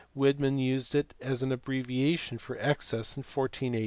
212. Widman used it as an abbreviation for excess in 1489 (see p.